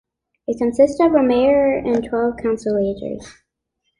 It consists of a mayor and twelve councillors.